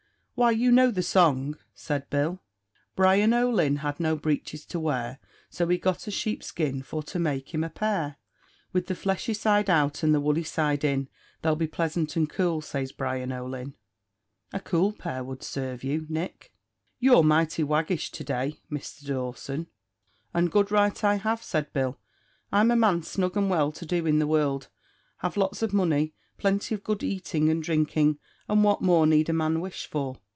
"Why, you know the song," said Bill "'Brian O'Lynn had no breeches to wear, So he got a sheep's skin for to make him a pair; With the fleshy side out and the woolly side in, They'll be pleasant and cool, says Brian O'Lynn.' "A cool pare would sarve you, Nick." "You're mighty waggish to day, Misther Dawson." "And good right I have," said Bill; "I'm a man snug and well to do in the world; have lots of money, plenty of good eating and drinking, and what more need a man wish for?"